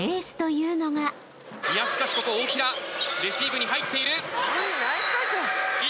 しかしここオオヒラレシーブに入っている。